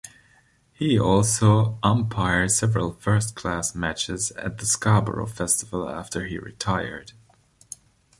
He also umpired several first-class matches at the Scarborough Festival after he retired.